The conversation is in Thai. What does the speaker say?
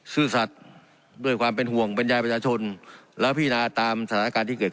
ซื่อสัตว์ด้วยความเป็นห่วงบรรยายประชาชนแล้วพินาตามสถานการณ์ที่เกิด